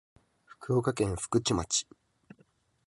福岡県福智町